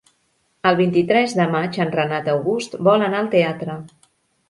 El vint-i-tres de maig en Renat August vol anar al teatre.